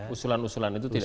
usulan usulan itu tidak